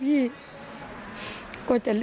คุณพ่อครับสารงานต่อของคุณพ่อครับ